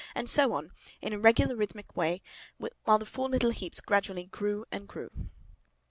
And so on, in a regular, rhythmical way, while the four little heaps gradually grew and grew.